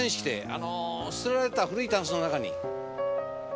あの捨てられてた古いタンスの中に。